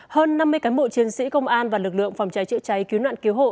hơn năm mươi cán bộ chiến sĩ công an và lực lượng phòng cháy chữa cháy cứu nạn cứu hộ